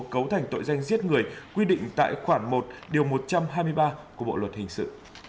cấu thành tội danh giết người quy định tại khoản một điều một trăm hai mươi ba của bộ luật hình sự